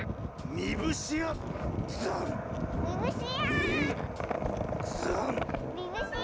みぶしあ！